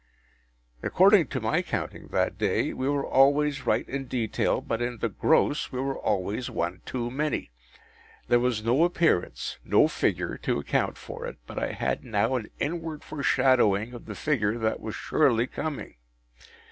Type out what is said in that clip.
” According to my counting that day, we were always right in detail, but in the gross we were always one too many. There was no appearance—no figure—to account for it; but I had now an inward foreshadowing of the figure that was surely coming.